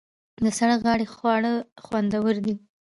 د سړک غاړې خواړه خوندور دي.